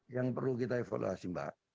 yang perlu kita evaluasi mbak